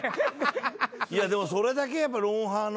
いやでもそれだけやっぱ『ロンハー』の。